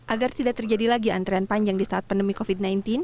agar tidak terjadi lagi antrean panjang di saat pandemi covid sembilan belas